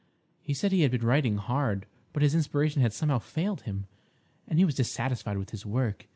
He said he had been writing hard, but his inspiration had somehow failed him, and he was dissatisfied with his work.